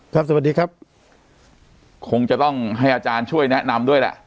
สวัสดีครับคงจะต้องให้อาจารย์ช่วยแนะนำด้วยแหละ